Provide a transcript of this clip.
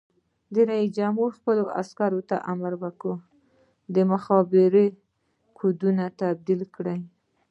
رئیس جمهور خپلو عسکرو ته امر وکړ؛ د مخابرو کوډونه بدل کړئ!